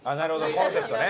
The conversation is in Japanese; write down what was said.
コンセプトね。